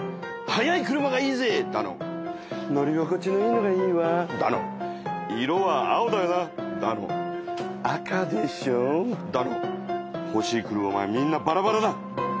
「速い車がいいぜ」だの「乗り心地のいいのがいいわ」だの「色は青だよな」だの「赤でしょう」だのほしい車はみんなバラバラだ。